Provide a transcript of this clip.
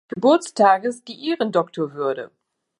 Geburtstages die Ehrendoktorwürde.